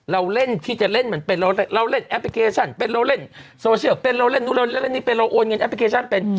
เราเล่นที่จะเล่นเหมือนเป็นเราเล่นแอปพลิเคชันเป็นเราเล่นโซเชียลเป็นเราเล่นนู้นเราเล่นนี้เป็นเราโอนเงินแอปพลิเคชันเป็น